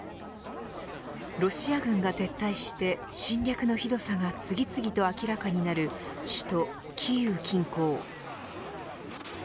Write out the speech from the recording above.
ロシア軍が撤退して侵略のひどさが次々と明らかになる首都キーウ近郊。